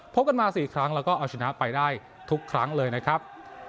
กันมา๔ครั้งแล้วก็เอาชนะไปได้ทุกครั้งเลยนะครับ